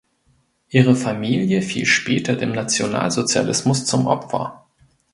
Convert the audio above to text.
Ihre Familie fiel später dem Nationalsozialismus zum Opfer.